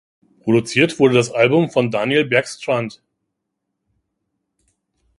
Produziert wurde das Album von Daniel Bergstrand.